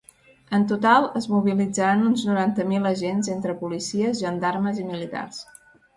En total, es mobilitzaran uns noranta mil agents entre policies, gendarmes i militars.